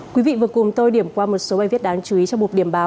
quý vị vừa cùng tôi điểm qua một số bài viết đáng chú ý trong một điểm báo